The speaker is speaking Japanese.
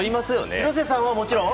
廣瀬さんはもちろん？